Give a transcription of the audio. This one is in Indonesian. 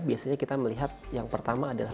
biasanya kita melihat yang pertama adalah